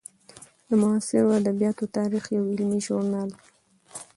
د معاصرو ادبیاتو تاریخ یو علمي ژورنال دی.